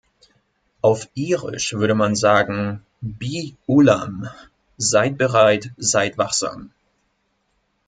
Auf Irisch würde man sagen Bi Ullamh – seid bereit, seid wachsam.